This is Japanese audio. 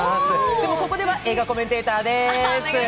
でも、ここでは映画コメンテーターです。